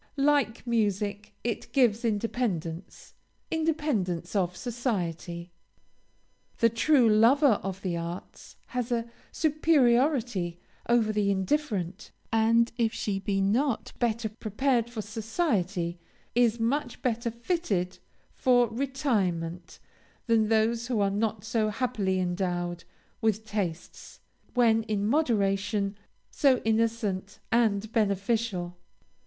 Like music, it gives independence independence of society. The true lover of the arts has a superiority over the indifferent, and, if she be not better prepared for society, is much better fitted for retirement than those who are not so happily endowed with tastes, when in moderation, so innocent and beneficial.